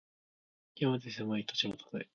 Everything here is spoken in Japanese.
きわめて狭い土地のたとえ。